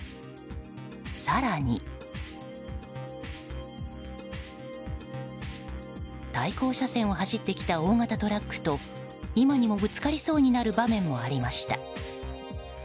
更に、対向車線を走ってきた大型トラックと今にもぶつかりそうになる場面もありました。